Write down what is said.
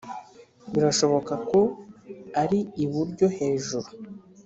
birashoboka ko ari iburyo hejuru